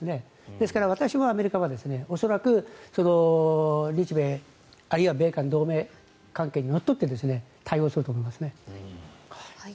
ですから、私はアメリカは恐らく日米、あるいは米韓同盟関係にのっとって対応すると思います。